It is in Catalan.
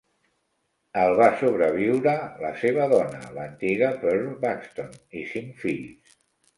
El va sobreviure la seva dona, l'antiga Pearl Buxton, i cinc fills.